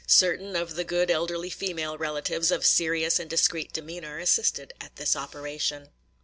Certain of the good elderly female relatives, of serious and discreet demeanor, assisted at this operation.